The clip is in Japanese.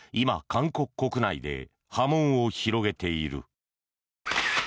韓国国内で波紋を広げている。